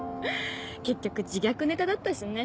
結局自虐ネタだったしね。